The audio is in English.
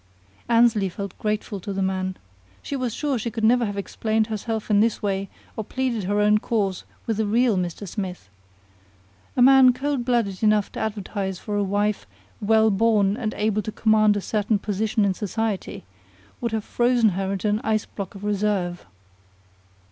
Annesley felt grateful to the man. She was sure she could never have explained herself in this way or pleaded her own cause with the real Mr. Smith. A man cold blooded enough to advertise for a wife "well born and able to command a certain position in society" would have frozen her into an ice block of reserve.